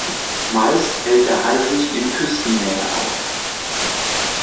Meist hält der Hai sich in Küstennähe auf.